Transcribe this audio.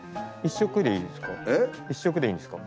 １色でいいですか？